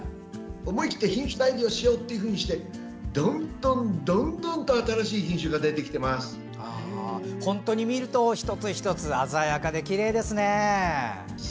思い切って品種改良しようというふうにしてどんどんと新しい品種が本当に見ると一つ一つ鮮やかできれいですね。